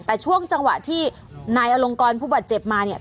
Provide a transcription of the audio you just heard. แต่ช่วงจังหวะที่นายอลงกรผู้บาดเจ็บมาเนี่ย